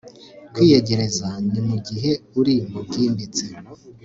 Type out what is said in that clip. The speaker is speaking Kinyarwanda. kwiyegereza, ni mugihe uri 'mubwimbitse